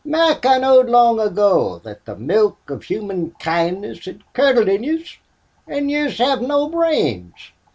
"Mac, I knowed long ago thot the milk of human kindness hed curdled in yez. An' yez hev no brains."